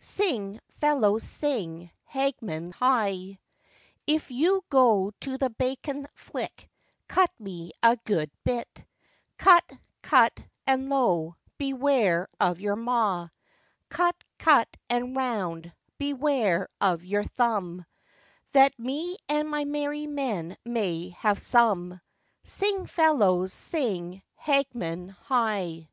Sing, fellows, sing, Hagman heigh. If you go to the bacon flick, cut me a good bit; Cut, cut and low, beware of your maw; Cut, cut and round, beware of your thumb, That me and my merry men may have some, Sing, fellows, sing, Hagman heigh.